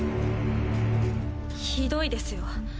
ひどいですよ。